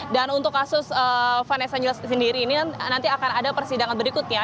dan untuk kasus vanessa angel sendiri ini nanti akan ada persidangan berikutnya